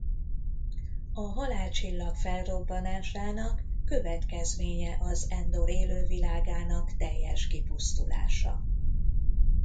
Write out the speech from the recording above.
A Halálcsillag felrobbanásának következménye az Endor élővilágának teljes kipusztulása.